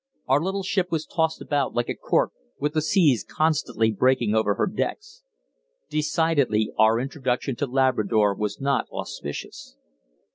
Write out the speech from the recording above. Our little ship was tossed about like a cork, with the seas constantly breaking over her decks. Decidedly our introduction to Labrador was not auspicious.